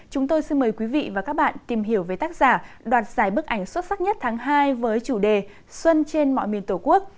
chúng tôi xin mời quý vị và các bạn tìm hiểu về tác giả đoạt giải bức ảnh xuất sắc nhất tháng hai với chủ đề xuân trên mọi miền tổ quốc